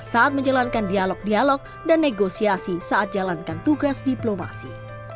saat menjalankan dialog dialog dan negosiasi saat jalankan tugas diplomasi